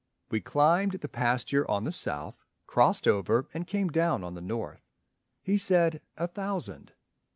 We climbed the pasture on the south, crossed over, And came down on the north. He said, "A thousand."